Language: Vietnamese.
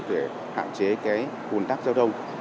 để hạn chế cái ủn tắc giao thông